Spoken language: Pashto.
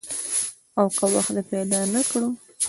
او که وخت دې پیدا نه کړ؟